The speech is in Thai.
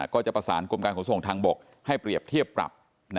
ก็จะประสานกรมการขนส่งทางบกให้เปรียบเทียบปรับ